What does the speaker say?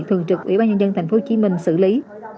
thường trực ủy ban nhân dân thành phố hồ chí minh xử lý